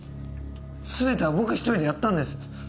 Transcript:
すべては僕１人でやったんです。